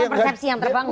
persepsi yang terbangun